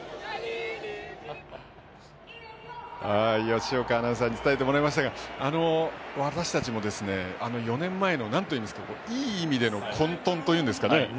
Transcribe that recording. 吉岡アナウンサーに伝えてもらいましたが私たちも４年前のいい意味での混沌というんですかね。